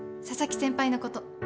佐々木先輩のこと。